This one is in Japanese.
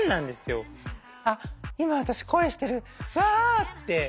「あっ今私恋してる！わあ！」って